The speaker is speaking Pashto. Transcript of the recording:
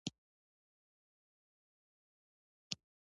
سالک په بل کلي کې مینه کوي